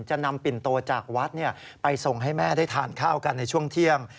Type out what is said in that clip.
จะนำปิ่นโตจากวัดไปส่งให้แม่ได้ทานข้าวกันในช่วงเที่ยง